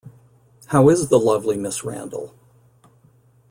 How is the lovely Miss Randal?